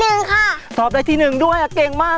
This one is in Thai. เพื่อจะไปชิงรางวัลเงินล้าน